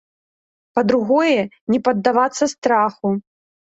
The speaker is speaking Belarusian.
Па-другое, не паддавацца страху.